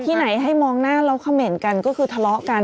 ที่ไหนให้มองหน้าแล้วเขม่นกันก็คือทะเลาะกัน